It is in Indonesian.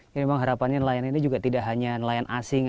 jadi memang harapannya nelayan ini juga tidak hanya nelayan asing